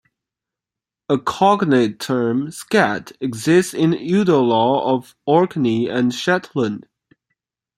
A cognate term, "skat", exists in the udal law of Orkney and Shetland.